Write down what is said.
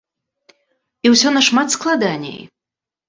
І ўсё нашмат складаней.